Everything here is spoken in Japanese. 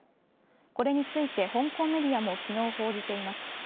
これについて香港メディアも昨日報じています。